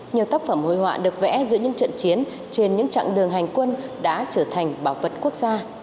nhiều tác phẩm hồi họa được vẽ giữa những trận chiến trên những trạng đường hành quân đã trở thành bảo vật quốc gia